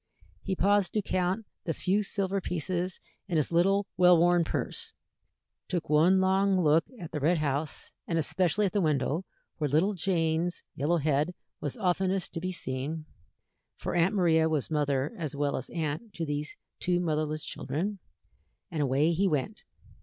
He paused to count the few silver pieces in his little well worn purse, took one long look at the red house, and especially at the window where little Jane's yellow head was oftenest to be seen for Aunt Maria was mother as well as aunt to these two motherless children and away he went.